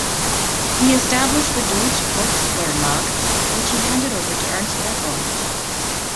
He established the "Deutsche Volksverlag", which he handed over to Ernst Boepple.